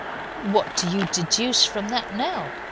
"What do you deduce from that, now?"